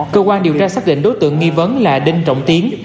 cơ quan điều tra xác định đối tượng nghi vấn là đinh trọng tiến